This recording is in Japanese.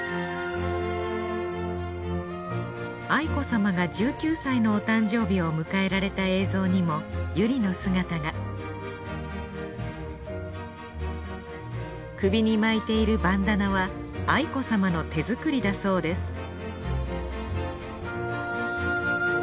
愛子さまが１９歳のお誕生日を迎えられた映像にも由莉の姿が首に巻いているバンダナは愛子さまの手作りだそうです